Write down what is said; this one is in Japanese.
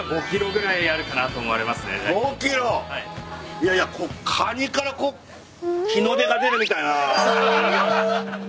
いやいやカニからこう日の出が出るみたいな。